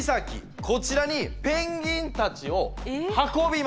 こちらにペンギンたちを運びます。